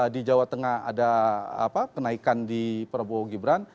di jawa tengah ada kenaikan di prabowo gibran